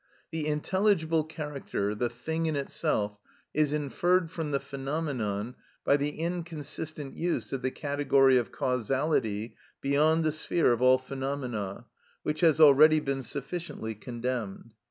The intelligible character, the thing in itself, is inferred from the phenomenon by the inconsistent use of the category of causality beyond the sphere of all phenomena, which has already been sufficiently condemned.